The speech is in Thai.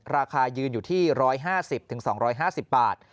ราคายืนอยู่ที่๑๕๐๒๕๐บาท